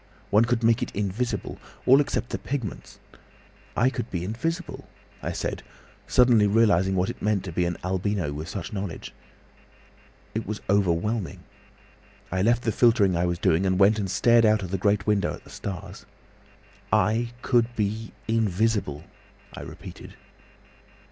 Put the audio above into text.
One could make it invisible! All except the pigments—I could be invisible!' I said, suddenly realising what it meant to be an albino with such knowledge. It was overwhelming. I left the filtering I was doing, and went and stared out of the great window at the stars. 'I could be invisible!' I repeated.